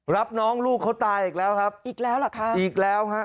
รับน้องลูกเขาตายอีกแล้วครับอีกแล้วเหรอคะอีกแล้วฮะ